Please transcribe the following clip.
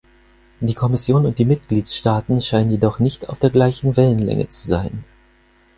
Die Kommission und die Mitgliedstaaten scheinen jedoch nicht auf der gleichen Wellenlänge zu sein.